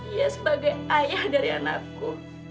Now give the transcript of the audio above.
ia sebagai ayah dari anakku